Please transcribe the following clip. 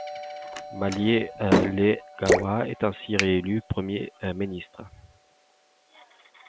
Malielegaoi est ainsi réélu premier ministre.